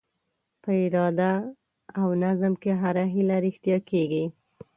په اراده او نظم هره هیله رښتیا کېږي.